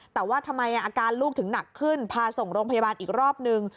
แต่ว่าทำไมอาการลูกถึงหนักขึ้นพาส่งโรงพยาบาลอีกรอบนึง